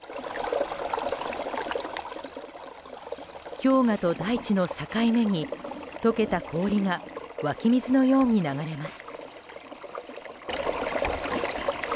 氷河と大地の境目に解けた氷が湧き水のように流れます。